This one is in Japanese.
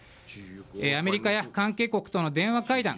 アメリカや関係国との電話会談